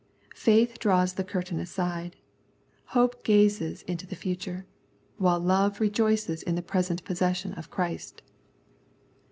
15). Faith draws the curtain aside ; hope gazes into the future ; while love rejoices in the present possession of Christ.